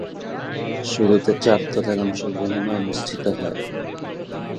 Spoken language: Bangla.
শুরুতে চার দলের অংশগ্রহণে অনুষ্ঠিত হয়।